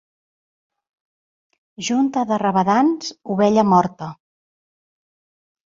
Junta de rabadans, ovella morta.